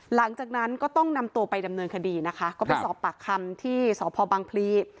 หลังจากนั้นก็ต้องนำตัวไปดำเนินคดีนะคะก็ไปสอบปากคำที่สพบังพลี